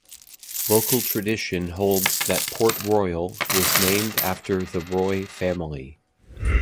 Local tradition holds that Port Royal was named after the Roy family.